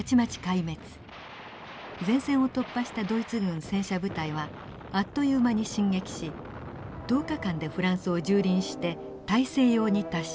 前線を突破したドイツ軍戦車部隊はあっという間に進撃し１０日間でフランスを蹂躙して大西洋に達しました。